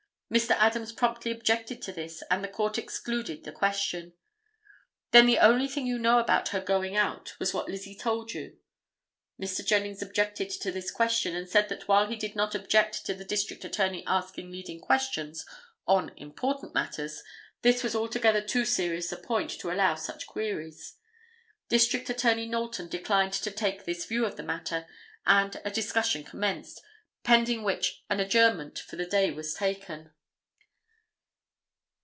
Mr. Adams promptly objected to this and the Court excluded the question. "Then the only thing you know about her going out was what Lizzie told you?" Mr. Jennings objected to this question and said that while he did not object to the District Attorney asking leading questions on unimportant matters, this was altogether too serious a point to allow such queries. District Attorney Knowlton declined to take this view of the matter, and a discussion commenced, pending which an adjournment for the day was taken.